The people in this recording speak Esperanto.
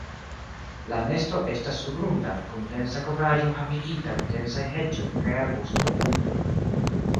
La nesto estas surgrunda, kun densa kovraĵo havigita de densaj heĝoj kaj arbustoj.